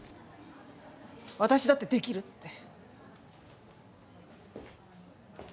私だってできるって。